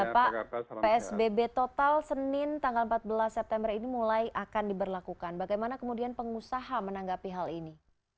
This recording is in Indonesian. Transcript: pak psbb total senin tanggal empat belas september ini mulai akan diberlakukan bagaimana kemudian pengusaha menanggapi hal ini